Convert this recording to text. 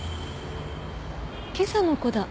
今朝の子だ。